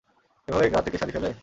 এভাবে গা থেকে শাড়ি ফেলে?